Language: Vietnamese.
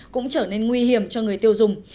cũng trở nên nguy hiểm cho người tiêu dùng